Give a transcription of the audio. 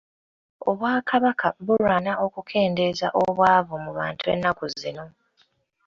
Obwakabaka bulwana okukendeeza obwavu mu bantu ennaku zino.